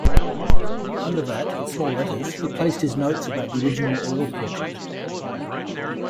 Under that in small letters, he placed his notes about the original oil portrait.